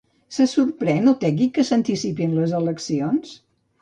Se sorprèn Otegi que s'anticipin les eleccions?